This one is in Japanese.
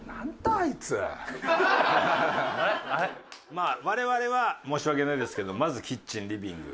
まあ我々は申し訳ないですけどまずキッチンリビング。